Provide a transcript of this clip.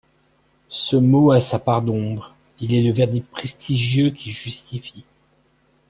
Ce mot a sa part d'ombre, il est le vernis prestigieux qui justifie